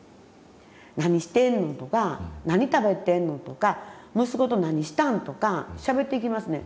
「何してんの？」とか「何食べてんの？」とか「息子と何したん？」とかしゃべっていきますねん。